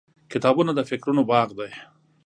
• کتابونه د فکرونو باغ دی.